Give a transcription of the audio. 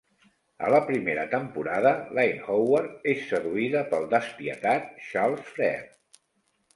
A la primera temporada, Lynne Howard és seduïda pel despietat Charles Frere.